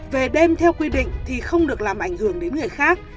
về đêm theo quy định thì không được làm ảnh hưởng đến người khác